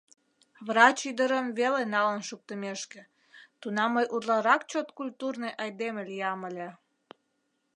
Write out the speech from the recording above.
Врач ӱдырым веле налын шуктымешке, тунам мый утларак чот культурный айдеме лиям ыле.